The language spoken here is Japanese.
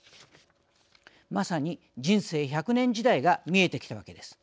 まさに人生１００年時代が見えてきたわけです。